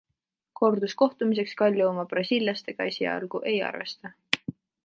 Korduskohtumiseks Kalju oma brasiillastega esialgu ei arvesta.